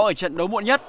ở trận đấu muộn nhất